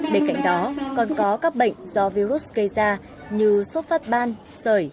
bên cạnh đó còn có các bệnh do virus gây ra như sốt phát ban sởi